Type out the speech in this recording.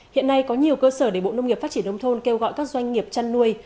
hiện nay có nhiều cơ sở để bộ nông nghiệp phát triển đông thôn kêu gọi các doanh nghiệp chăn nuôi